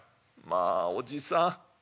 「まあおじさん。